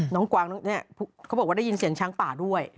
กวางน้องเนี่ยเขาบอกว่าได้ยินเสียงช้างป่าด้วย